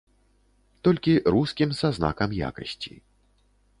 Толькі рускім са знакам якасці.